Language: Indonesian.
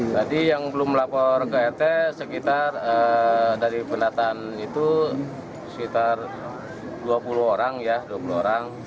tadi yang belum melapor ke rt sekitar dari pendataan itu sekitar dua puluh orang ya dua puluh orang